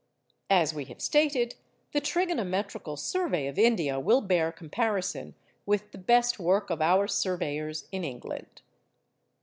_ As we have stated, the trigonometrical survey of India will bear comparison with the best work of our surveyors in England.